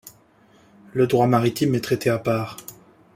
Le droit maritime est traité à part.